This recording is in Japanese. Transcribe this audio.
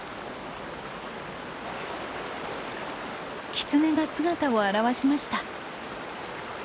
キツネが姿を現しました。